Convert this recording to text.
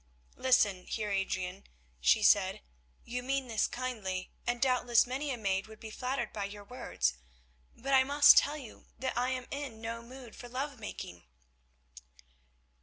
"Listen, Heer Adrian," she said. "You mean this kindly, and doubtless many a maid would be flattered by your words, but I must tell you that I am in no mood for love making."